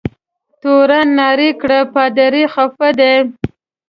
تورن نارې کړې پادري خفه دی.